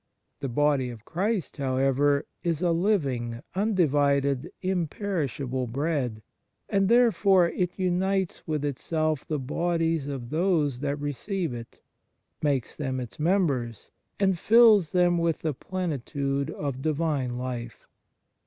The Body of Christ, however, is a living, undivided, imperishable Bread, and therefore it unites with itself the bodies of those that receive it, makes them its members, and fills them with the plenitude of Divine life.